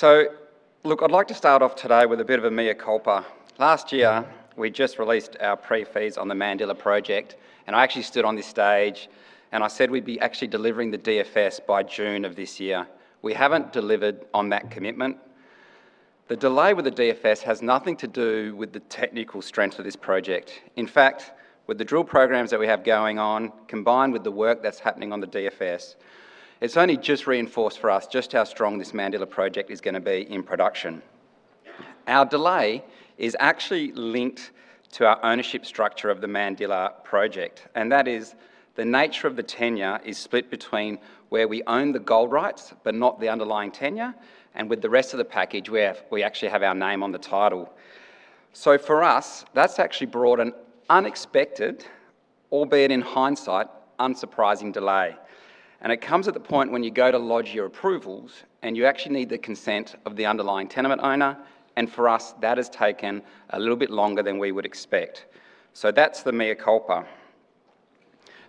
Look, I'd like to start off today with a bit of a mea culpa. Last year, we just released our Pre-Feasibility Study on the Mandilla project, and I actually stood on this stage and I said we'd be actually delivering the DFS by June of this year. We haven't delivered on that commitment. The delay with the DFS has nothing to do with the technical strength of this project. In fact, with the drill programs that we have going on, combined with the work that's happening on the DFS, it's only just reinforced for us just how strong this Mandilla project is going to be in production. Our delay is actually linked to our ownership structure of the Mandilla project. That is the nature of the tenure is split between where we own the gold rights but not the underlying tenure, and with the rest of the package, we actually have our name on the title. For us, that's actually brought an unexpected, albeit in hindsight, unsurprising delay. It comes at the point when you go to lodge your approvals and you actually need the consent of the underlying tenement owner. For us, that has taken a little bit longer than we would expect. That's the mea culpa.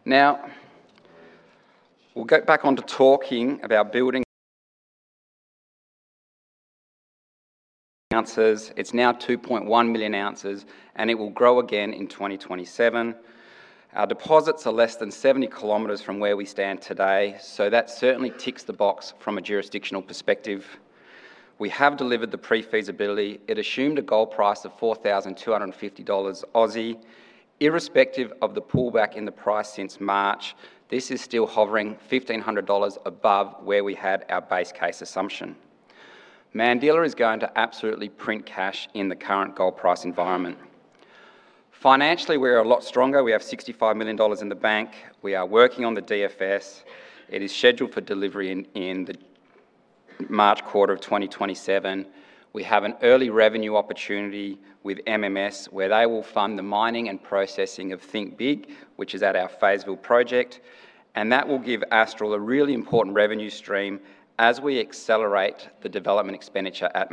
Now, we'll get back on to talking about building [inaudible] ounces. It's now 2.1 million ounces and it will grow again in 2027. Our deposits are less than 70 km from where we stand today, so that certainly ticks the box from a jurisdictional perspective. We have delivered the Pre-Feasibility Study. It assumed a gold price of 4,250 Aussie dollars. Irrespective of the pullback in the price since March, this is still hovering 1,500 dollars above where we had our base case assumption. Mandilla is going to absolutely print cash in the current gold price environment. Financially, we are a lot stronger. We have 65 million dollars in the bank. We are working on the DFS. It is scheduled for delivery in the March quarter of 2027. We have an early revenue opportunity with MMS where they will fund the mining and processing of Think Big, which is at our Feysville project, and that will give Astral a really important revenue stream as we accelerate the development expenditure at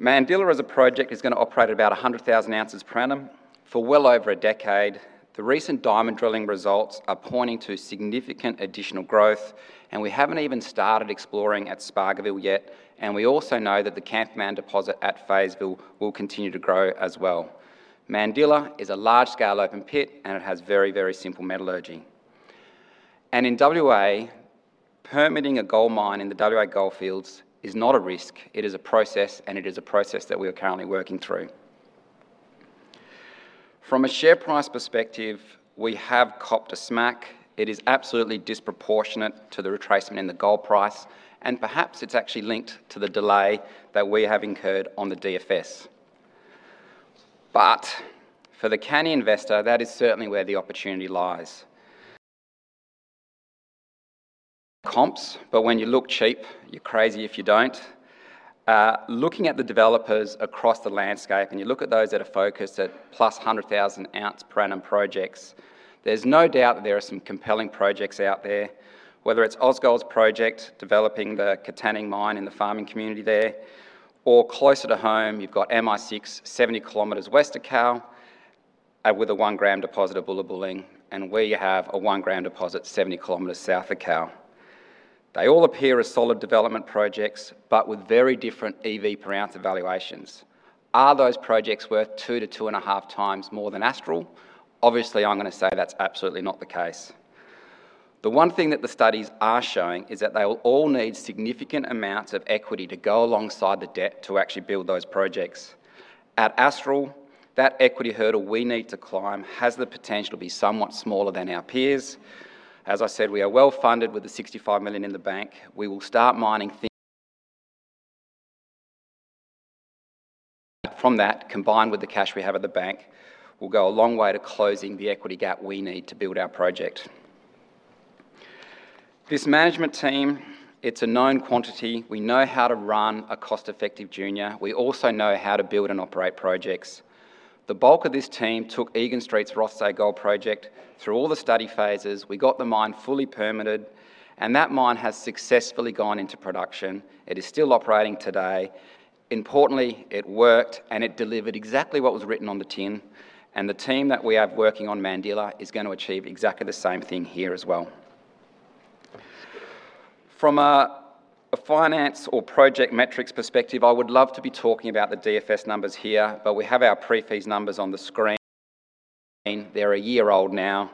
Mandilla. Mandilla as a project is going to operate at about 100,000 oz per annum for well over a decade. The recent diamond drilling results are pointing to significant additional growth, and we haven't even started exploring at Spargoville yet. We also know that the Kamperman deposit at Feysville will continue to grow as well. Mandilla is a large-scale open pit and it has very, very simple metallurgy. In W.A., permitting a gold mine in the W.A. goldfields is not a risk. It is a process and it is a process that we are currently working through. From a share price perspective, we have copped a smack. It is absolutely disproportionate to the retracement in the gold price and perhaps it's actually linked to the delay that we have incurred on the DFS. For the canny investor, that is certainly where the opportunity lies. Comps, when you look cheap, you're crazy if you don't. Looking at the developers across the landscape and you look at those that are focused at 100,000+ oz per annum projects, there's no doubt that there are some compelling projects out there. Whether it's Ausgold's project developing the Katanning mine in the farming community there. Or closer to home, you've got Minerals 260 70 km west of Kalgoorlie with a 1 g deposit of Bullabulling and we have a 1 g deposit 70 km south of Kalgoorlie. They all appear as solid development projects but with very different EV per ounce evaluations. Are those projects worth 2x-2.5x more than Astral? Obviously, I'm going to say that's absolutely not the case. The one thing that the studies are showing is that they will all need significant amounts of equity to go alongside the debt to actually build those projects. At Astral, that equity hurdle we need to climb has the potential to be somewhat smaller than our peers. As I said, we are well-funded with 65 million in the bank. We will start mining [inaudible] from that, combined with the cash we have at the bank, will go a long way to closing the equity gap we need to build our project. This management team, it's a known quantity. We know how to run a cost-effective junior. We also know how to build and operate projects. The bulk of this team took Egan Street's Rothsay Gold Project through all the study phases. We got the mine fully permitted, and that mine has successfully gone into production. It is still operating today. Importantly, it worked and it delivered exactly what was written on the tin, and the team that we have working on Mandilla is going to achieve exactly the same thing here as well. From a finance or project metrics perspective, I would love to be talking about the DFS numbers here, but we have our Pre-Feasibility Study numbers on the screen. They're a year old now.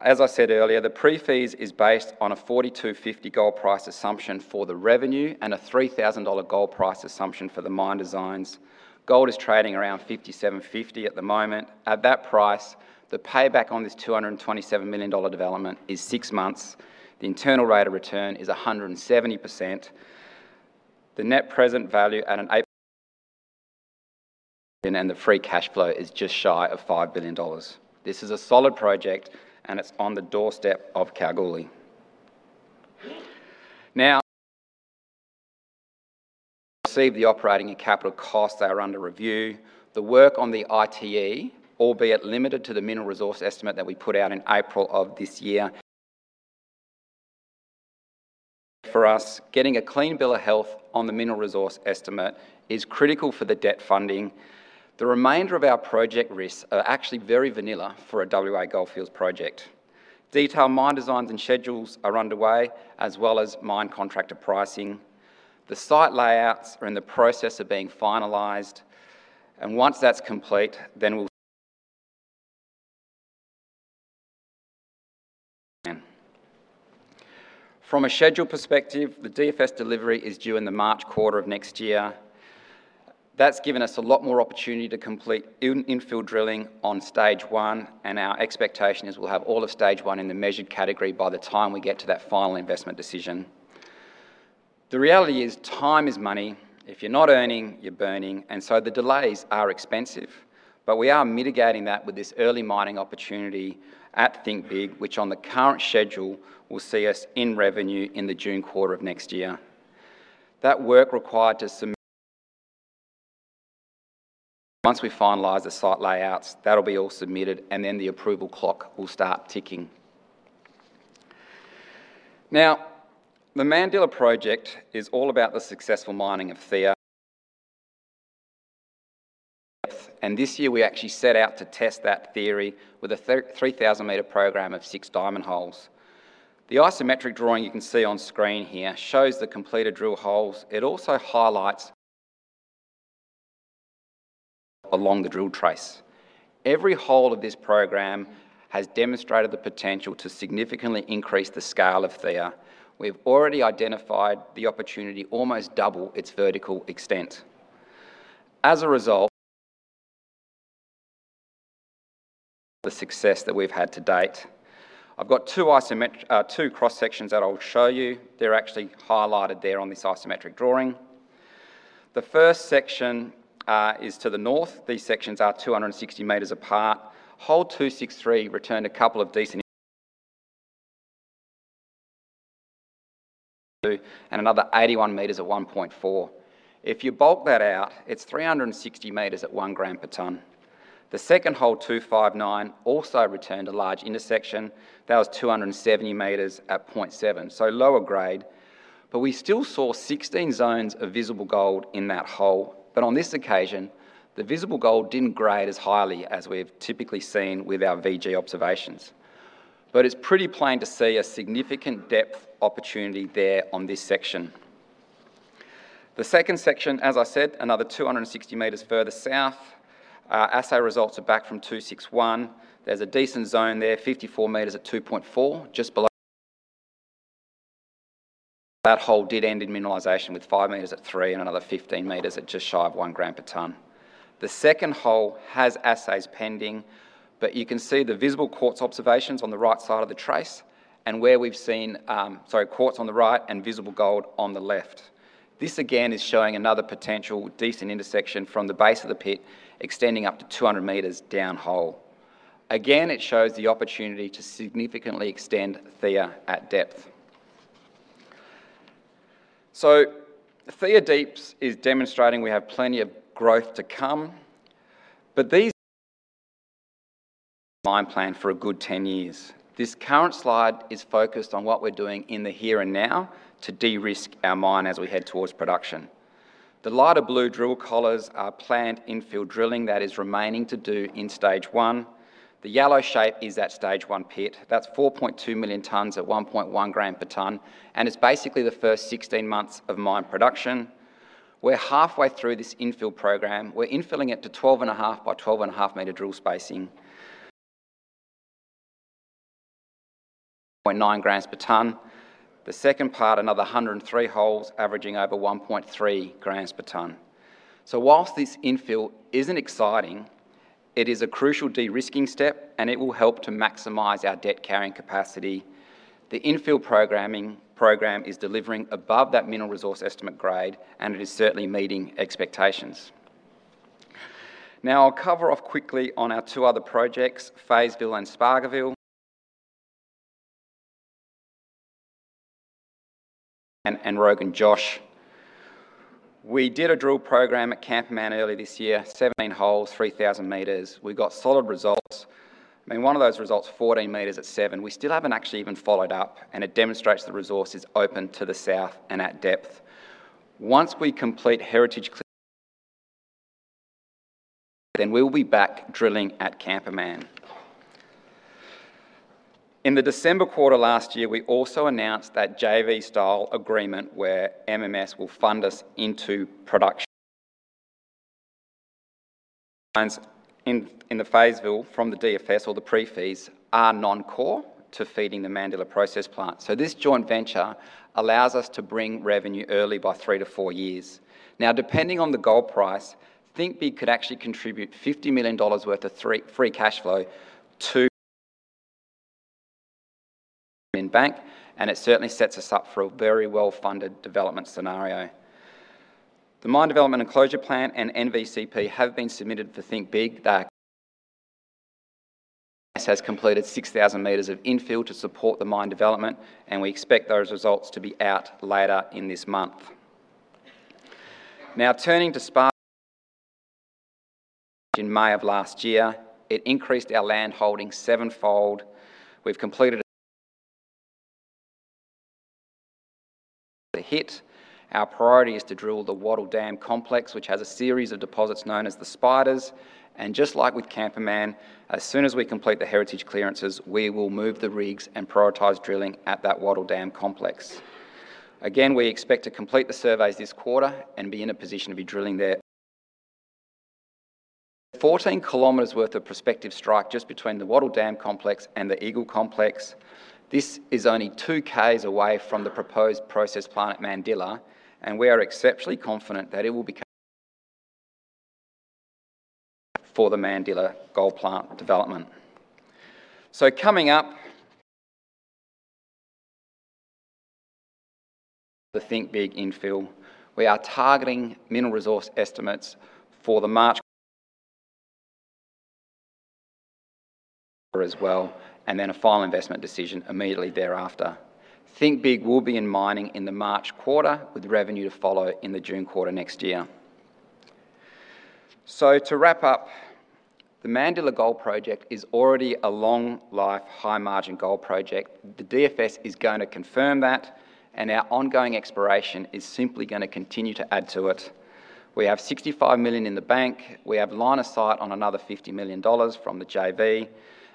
As I said earlier, the Pre-Feasibility Study is based on a 4,250 gold price assumption for the revenue and a 3,000 dollar gold price assumption for the mine designs. Gold is trading around 5,750 at the moment. At that price, the payback on this 227 million dollar development is six months. The internal rate of return is 170%. The net present value at an [inaudible] and the free cash flow is just shy of 5 billion dollars. This is a solid project and it's on the doorstep of Kalgoorlie. The operating and capital costs that are under review. The work on the ITE, albeit limited to the Mineral Resource Estimate that we put out in April of this year. For us, getting a clean bill of health on the Mineral Resource Estimate is critical for the debt funding. The remainder of our project risks are actually very vanilla for a W.A. Goldfields project. Detailed mine designs and schedules are underway, as well as mine contractor pricing. The site layouts are in the process of being finalized and once that's complete, then. [inaudible] From a schedule perspective, the DFS delivery is due in the March quarter of next year. That's given us a lot more opportunity to complete infield drilling on stage 1 and our expectation is we'll have all of stage 1 in the measured category by the time we get to that final investment decision. The reality is time is money. If you're not earning, you're burning. The delays are expensive. We are mitigating that with this early mining opportunity at Think Big, which on the current schedule, will see us in revenue in the June quarter of next year. [inaudible] Once we finalize the site layouts, that'll be all submitted and then the approval clock will start ticking. The Mandilla project is all about the successful mining of Theia. This year we actually set out to test that theory with a 3,000-m program of six diamond holes. The isometric drawing you can see on screen here shows the completed drill holes. It also highlights [inaudible] along the drill trace. Every hole of this program has demonstrated the potential to significantly increase the scale of Theia. We've already identified the opportunity almost double its vertical extent. As a result, [inaudible] the success that we've had to date. I've got two cross-sections that I'll show you. They're actually highlighted there on this isometric drawing. The first section is to the north. These sections are 260 m apart. Hole 263 returned a couple of decent [inaudible] and another 81 m at 1.4 g/ton. If you bulk that out, it's 360 m at 1 g/ton. The second hole, 259, also returned a large intersection. That was 270 m at 0.7 g/ton, so lower grade, but we still saw 16 zones of visible gold in that hole. On this occasion, the visible gold didn't grade as highly as we've typically seen with our VG observations. It's pretty plain to see a significant depth opportunity there on this section. The second section, as I said, another 260 m further south. Assay results are back from 261. There's a decent zone there, 54 m at 2.4 g/ton, just below. [inaudible] That hole did end in mineralization with 5 m at 3 g/ton and another 15 meters at just shy of 1 g/ton. The second hole has assays pending, but you can see the visible quartz on the right and visible gold on the left. This again is showing another potential decent intersection from the base of the pit extending up to 200 m down hole. Again, it shows the opportunity to significantly extend Theia at depth. Theia Deeps is demonstrating we have plenty of growth to come, but these [inaudible] mine plan for a good 10 years. This current slide is focused on what we're doing in the here and now to de-risk our mine as we head towards production. The lighter blue drill collars are planned infill drilling that is remaining to do in stage 1. The yellow shape is that stage 1 pit. That's 4.2 million tons at 1.1 g/ton. It's basically the first 16 months of mine production. We're halfway through this infill program. We're infilling it to 12.5 m by 12.5 m drill spacing. [inaudible] 0.9 g/ton. The second part, another 103 holes averaging over 1.3 g/ton. Whilst this infill isn't exciting, it is a crucial de-risking step, it will help to maximize our debt-carrying capacity. The infill program is delivering above that Mineral Resource Estimate grade, it is certainly meeting expectations. I'll cover off quickly on our two other projects, Feysville and Spargoville [inaudible] and Rogan Josh. We did a drill program at Kamperman early this year, 17 holes, 3,000 m. We got solid results. One of those results, 14 m at 7 g/ton. We still haven't actually even followed up, and it demonstrates the resource is open to the south and at depth. Once we complete heritage clearances, [inaudible] then we'll be back drilling at Kamperman. In the December quarter last year, we also announced that JV-style agreement where MMS will fund us into production [inaudible] in the Feysville from the DFS or the Pre-Feasibility Study are non-core to feeding the Mandilla process plant. This joint venture allows us to bring revenue early by three to four years. Depending on the gold price, Think Big could actually contribute 50 million dollars worth of free cash flow to [inaudible] in bank, and it certainly sets us up for a very well-funded development scenario. The mine development and closure plan and NVCP have been submitted for Think Big. Astral has completed 6,000 m of infill to support the mine development, and we expect those results to be out later in this month. Turning to Spargoville. In May of last year, it increased our landholding sevenfold. We've completed a [inaudible] hit. Our priority is to drill the Wattle Dam complex, which has a series of deposits known as the Spiders. Just like with Kamperman, as soon as we complete the heritage clearances, we will move the rigs and prioritize drilling at that Wattle Dam complex. Again, we expect to complete the surveys this quarter and be in a position to be drilling there [inaudible] 14 km worth of prospective strike just between the Wattle Dam complex and the Eagle complex. This is only 2 km away from the proposed process plant Mandilla, and we are exceptionally confident that it will be [inaudible] for the Mandilla gold plant development. Coming up [inaudible] the Think Big infill. We are targeting Mineral Resource Estimates for the March [inaudible] as well, and then a final investment decision immediately thereafter. Think Big will be in mining in the March quarter with revenue to follow in the June quarter next year. To wrap up, the Mandilla Gold Project is already a long-life, high-margin gold project. The DFS is going to confirm that, and our ongoing exploration is simply going to continue to add to it. We have 65 million in the bank. We have line of sight on another 50 million dollars from the JV,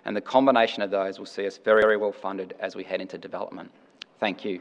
and the combination of those will see us very well-funded as we head into development. Thank you.